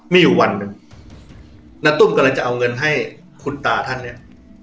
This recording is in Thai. มีอยู่วันหนึ่งณตุ้มกำลังจะเอาเงินให้คุณตาท่านเนี่ย